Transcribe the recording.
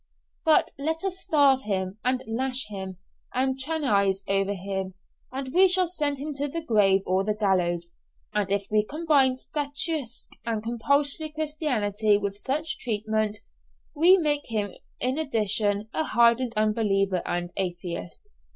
But, let us starve him and lash him, and tyrannize over him, and we shall send him to the grave or the gallows; and if we combine statuesque and compulsory Christianity with such treatment, we make him in addition a hardened unbeliever and atheist.